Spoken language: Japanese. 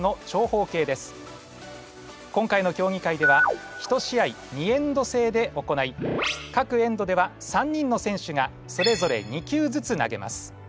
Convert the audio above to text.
今回の競技会では１試合２エンド制で行いかくエンドでは３人の選手がそれぞれ２球ずつ投げます。